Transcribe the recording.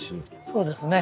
そうですね。